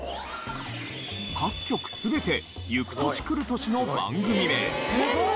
各局全て『ゆく年くる年』の番組名。